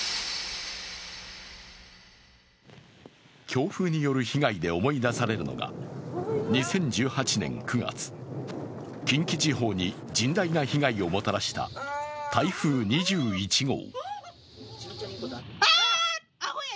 強風による被害で思い出されるのが２０１８年９月、近畿地方に甚大な被害をもたらした台風２１号。